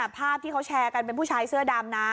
ภาพที่เขาแชร์กันเป็นผู้ชายเสื้อดำนะ